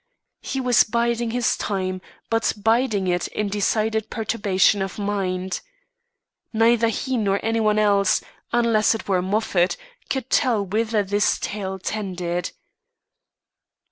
He was biding his time, but biding it in decided perturbation of mind. Neither he nor any one else, unless it were Moffat, could tell whither this tale tended.